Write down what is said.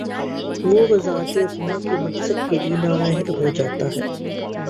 وہ وزارت عظمی کے منصب کے لیے نااہل ہو جا تا ہے۔